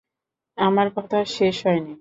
আমার কথা শেষ হয়নি।